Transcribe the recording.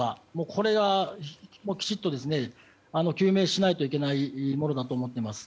これはきちっと究明しないといけないものだと思っています。